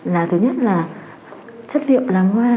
là thứ nhất là chất liệu làm hoa